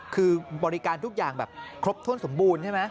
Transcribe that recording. คือบริการทุกอย่างแบบครบถ้วนสมบูรณ์ใช่ไหม